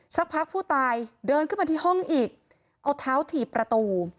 สักพักผู้ตายเดินขึ้นมาที่ห้องอีกเอาเท้าถีบประตู